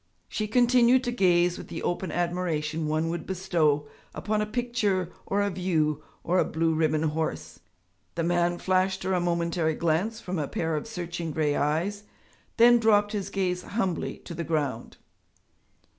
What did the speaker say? She continued to gaze with the open admiration one would bestow upon a picture or a view or a blue ribbon horse. The man flashed her a momentary glance from a pair of searching grey eyes, then dropped his gaze humbly to the ground.